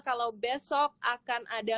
kalau besok akan ada